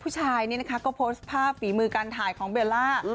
ผู้ชายนี่นะคะก็โพสต์ภาพฝีมือการถ่ายของเบลล่า